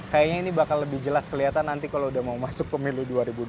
kayaknya ini bakal lebih jelas kelihatan nanti kalau udah mau masuk pemilu dua ribu dua puluh